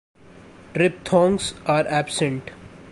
Triphthongs are absent.